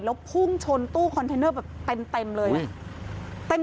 แล้วพุ่งโฉลตู้แบบเต็มเหรอ